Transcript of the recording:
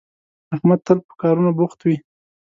احمد تل په کارونو بوخت وي